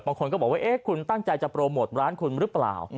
บางคนก็บอกว่าเอ๊ะคุณตั้งใจจะโปรโมทร้านคุณหรือเปล่า